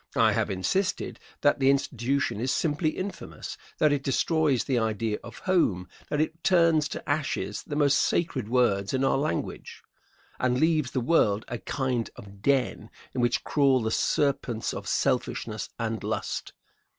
I have insisted that the institution is simply infamous; that it destroys the idea of home; that it turns to ashes the most sacred words in our language, and leaves the world a kind of den in which crawl the serpents of selfishness and lust.